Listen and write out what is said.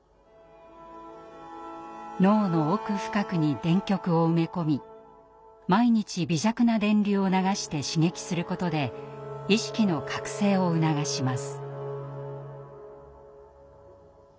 脳の奥深くに電極を埋め込み毎日微弱な電流を流して刺激することで意識の覚醒を促します。